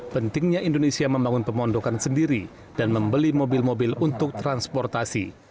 pentingnya indonesia membangun pemondokan sendiri dan membeli mobil mobil untuk transportasi